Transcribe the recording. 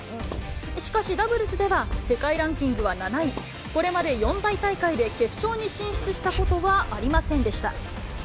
しかし、ダブルスでは世界ランキングは７位、これまで四大大会で決勝に進出したことはありませんでした。